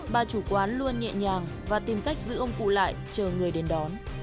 bà chủ quán luôn nhẹ nhàng và tìm cách giữ ông cụ lại chờ người đến đón